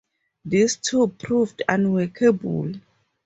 This too proved unworkable.